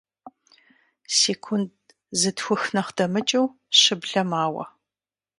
Секунд зытхух нэхъ дэмыкӀыу щыблэ мауэ.